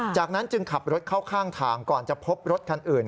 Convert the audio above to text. จากนั้นจึงขับรถเข้าข้างทางก่อนจะพบรถคันอื่น